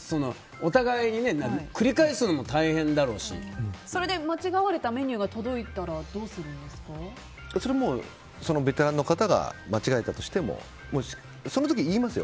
お互いに繰り返すのもそれで間違われたメニューがそれはベテランの方が間違えたとしてもその時言いますよ。